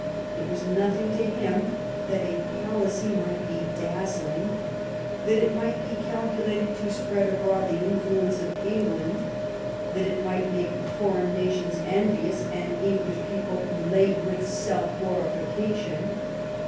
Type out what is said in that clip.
It was nothing to him that a policy might be dazzling, that it might be calculated to spread abroad the influence of England, that it might make foreign nations envious and English people elate with self glorification.